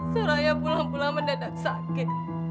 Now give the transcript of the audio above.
serah ayah pulang pulang mendadak sakit